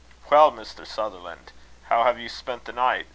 "Well, Mr. Sutherland, how have you spent the night?"